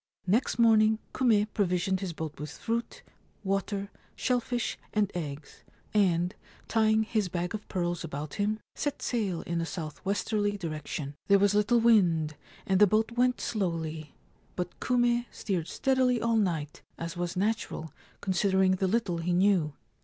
' Next morning Kume provisioned his boat with fruit, water, shell fish, and eggs, and, tying his bag of pearls about him, set sail in a south westerly direction. There was little wind, and the boat went slowly ; but Kume steered steadily all night, as was natural, considering the little he knew.